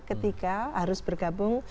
ketika harus bergabung